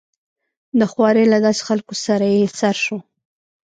د خوارې له داسې خلکو سره يې سر شو.